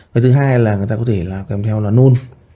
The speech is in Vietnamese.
và thứ hai là người ta có thể là kèm theo là nôn